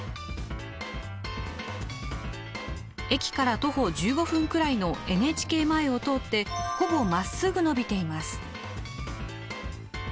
駅から徒歩１５分くらいのＮＨＫ前を通ってほぼまっすぐのびています。